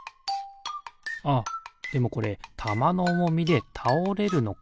あっでもこれたまのおもみでたおれるのかな？